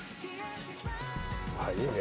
あっいいね